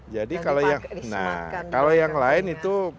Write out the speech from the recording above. jadi kalau yang lain itu